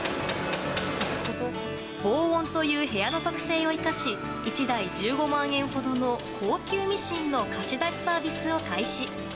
防音という部屋の特性を生かし１台１５万円ほどの高級ミシンの貸し出しサービスを開始。